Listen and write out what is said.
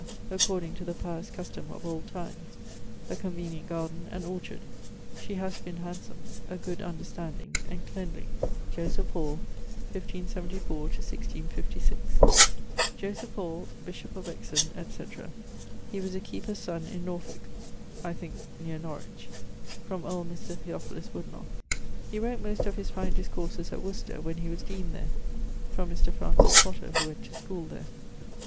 according to the pious custome of old times; a convenient garden and orchard. She has been handsome: a good understanding, and cleanlie. =Joseph Hall= (1574 1656). Joseph Hall, bishop of Exon, etc.: he was a keeper's son in Norfolke (I thinke, neer Norwich). From old Mr. Theophilus Woodenoth. He wrote most of his fine discourses at Worcester, when he was deane there. From Mr. Francis Potter, who went to schole there.